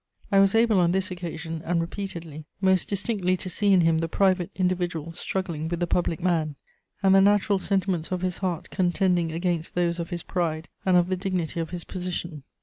I was able on this occasion, and repeatedly, most distinctly to see in him the private individual struggling with the public man, and the natural sentiments of his heart contending against those of his pride and of the dignity of his position.